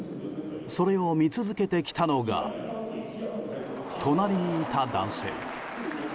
それを見続けてきたのが隣にいた男性。